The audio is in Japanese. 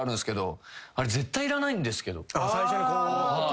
最初にこう。